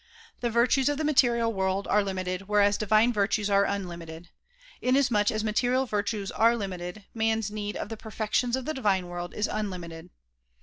The virtues of the material world are limited whereas divine virtues are unlimited. Inasmuch as material virtues are limited, man's need of the perfections of the divine world is unlimited.